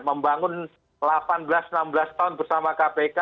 membangun delapan belas enam belas tahun bersama kpk